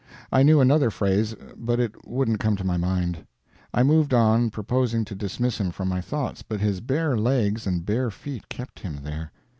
I knew another phrase, but it wouldn't come to my mind. I moved on, purposing to dismiss him from my thoughts, but his bare legs and bare feet kept him there.